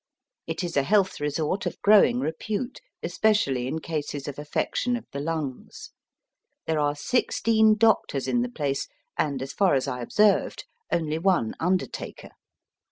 It is a health resort of growing repute, especially in cases of affection of the lungs. There are sixteen doctors in the place, and, as far as I observed, only one undertaker.